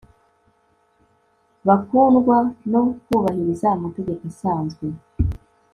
Bakundwa no kubahiriza amategeko asanzwe